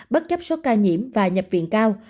bất chấp số ca nhiễm và nhập viện cao